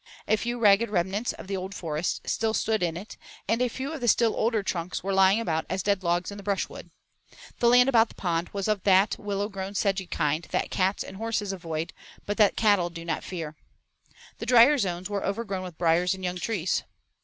A few ragged remnants of the old forest still stood in it and a few of the still older trunks were lying about as dead logs in the brushwood. The land about the pond was of that willow grown sedgy kind that cats and horses avoid, but that cattle do not fear. The drier zones were overgrown with briars and young trees.